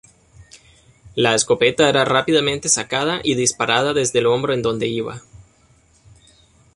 La escopeta era rápidamente sacada y disparada desde el hombro en donde iba.